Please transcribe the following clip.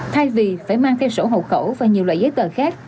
thay vì phải mang theo sổ hộ khẩu và nhiều loại giấy tờ khác